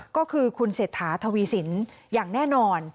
ก็คือคุณเสธาธวีศิลป์อย่างแน่นอน